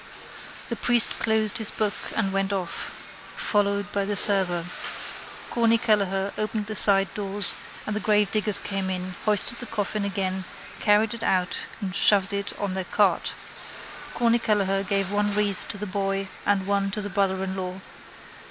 The priest closed his book and went off, followed by the server. Corny Kelleher opened the sidedoors and the gravediggers came in, hoisted the coffin again, carried it out and shoved it on their cart. Corny Kelleher gave one wreath to the boy and one to the brother in law.